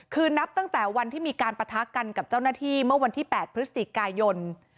คือนับตั้งแต่วันที่มีการปะทะกันกับเจ้าหน้าที่เมื่อวันที่๘พฤศจิกายน